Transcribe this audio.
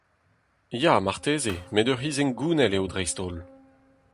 Ya marteze, met ur c'hiz hengounel eo dreist-holl.